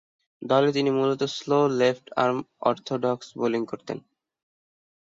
দলে তিনি মূলতঃ স্লো লেফট-আর্ম অর্থোডক্স বোলিং করতেন।